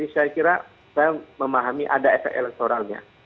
saya kira saya memahami ada efek elektoralnya